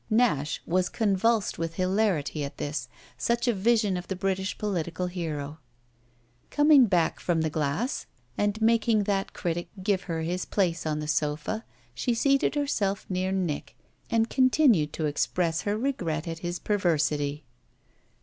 Nash was convulsed with hilarity at this such a vision of the British political hero. Coming back from the glass and making that critic give her his place on the sofa, she seated herself near Nick and continued to express her regret at his perversity.